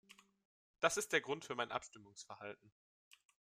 Das ist der Grund für mein Abstimmungsverhalten.